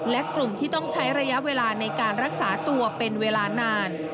และกลุ่มที่ต้องใช้ระยะเวลาในการรักษาตัวเป็นเวลานาน